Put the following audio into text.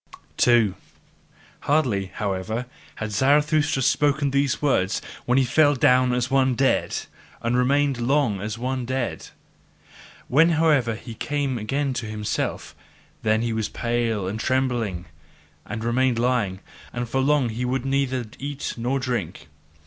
2. Hardly, however, had Zarathustra spoken these words, when he fell down as one dead, and remained long as one dead. When however he again came to himself, then was he pale and trembling, and remained lying; and for long he would neither eat nor drink.